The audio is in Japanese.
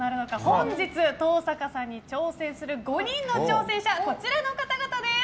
本日、登坂さんに挑戦する５人の挑戦者こちらの方々です。